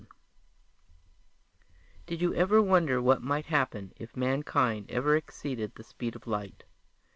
net _Did you ever wonder what might happen if mankind ever exceeded the speed of light?